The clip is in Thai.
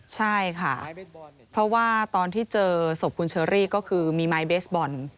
ใช่ค่ะเพราะว่าตอนที่เจอศพคุณเชอรี่ก็คือมีไม้เบสบอล